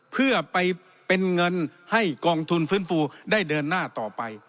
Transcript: เพื่อไปเป็นเงินให้กองทุนฟื้นฟูได้เดินหน้าต่อไป